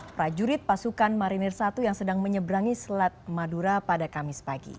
prajurit pasukan marinir satu yang sedang menyeberangi selat madura pada kamis pagi